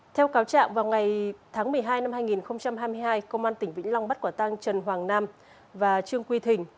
theo cáo trạng vào ngày tháng một mươi hai năm hai nghìn hai mươi hai công an tỉnh vĩnh long bắt quả tăng trần hoàng nam và trương quy thình